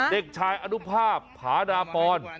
เด็กชายอนุภาพผาดาปอน